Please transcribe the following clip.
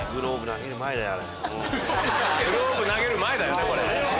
グラブ投げる前だよねこれ。